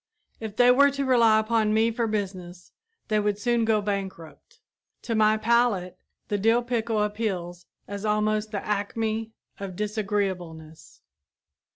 If they were to rely upon me for business, they would soon go bankrupt. To my palate the dill pickle appeals as almost the acme of disagreeableness.